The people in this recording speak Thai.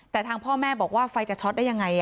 แต่ทางพ่อแม่บอกว่าไฟจะช็อตได้ยังไง